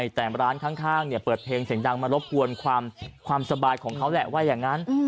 อยากจะเล่นน้ำสบายแต่ร้านข้างเนี่ยเปิดเพลงเสียงดังมารบกวนความสบายของเขาแหละว่าอย่างนั้น